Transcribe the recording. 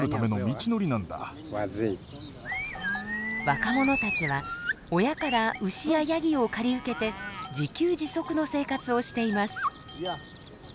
若者たちは親から牛やヤギを借り受けて自給自足の生活をしています。